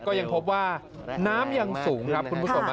ก็ยังพบว่าน้ำยังสูงครับคุณผู้ชม